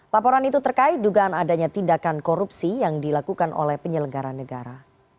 laporan itu terkait dugaan adanya tindakan korupsi yang dilakukan oleh penyelenggara negara